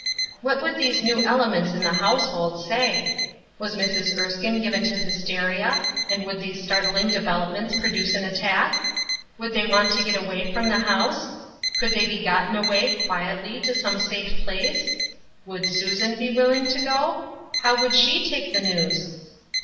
What would those new elements in the house A Newly (Shaped Gross, 181 hold say ? Was Mrs. Erskine given to hysteria, and would these startling developments produ«De an attack ? Would they want to get away fro in the liouse? Could they be gotten away, quietly, to some safe place ? Would Susan be willing to go? How would she take the news?